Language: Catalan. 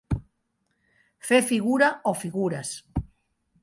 Fer figura o figures.